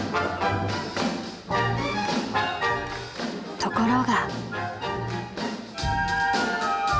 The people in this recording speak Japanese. ところが。